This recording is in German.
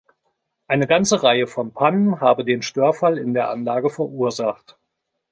Eine ganze Reihe von Pannen habe den Störfall in der Anlage verursacht.